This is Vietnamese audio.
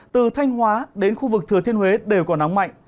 từ thanh hóa đến khu vực thừa thiên huế đều có nắng mạnh